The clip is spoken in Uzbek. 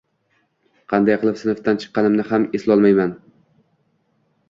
Qanday qilib sinfdan chiqqanimni ham eslolmayman